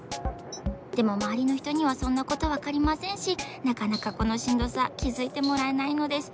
でもまわりのひとにはそんなことわかりませんしなかなかこのしんどさきづいてもらえないのです。